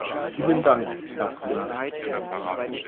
Vielen Dank, Herr Flynn.